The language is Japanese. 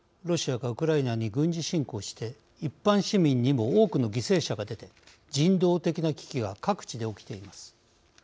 ロシアがウクライナに軍事侵攻して一般市民にも多くの犠牲者が出て人道的な危機が各地で起きています。